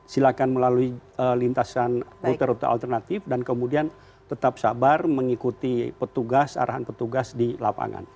silakan melalui lintasan rute rute alternatif dan kemudian tetap sabar mengikuti petugas arahan petugas di lapangan